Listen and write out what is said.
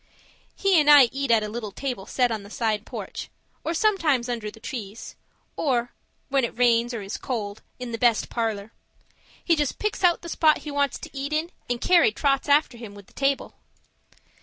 He and I eat at a little table set on the side porch, or sometimes under the trees, or when it rains or is cold in the best parlour. He just picks out the spot he wants to eat in and Carrie trots after him with the table.